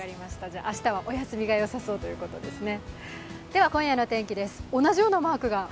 明日はお休みがよさそうということですね。